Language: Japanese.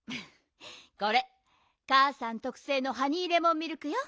これかあさんとくせいのハニーレモンミルクよ。